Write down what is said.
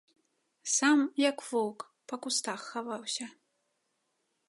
Сам, як воўк, па кустах хаваўся.